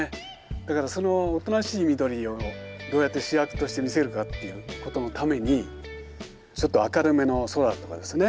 だからそのおとなしい緑をどうやって主役として見せるかっていうことのためにちょっと明るめの空とかですね